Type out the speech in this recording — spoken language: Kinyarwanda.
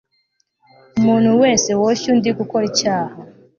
umuntu wese woshya undi gukora icyaha